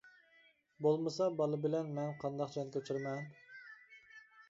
بولمىسا بالا بىلەن مەن قانداق جان كەچۈرىمەن.